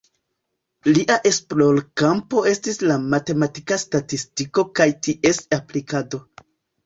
Lia esplorkampo estis la matematika statistiko kaj ties aplikado.